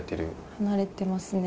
離れてますね。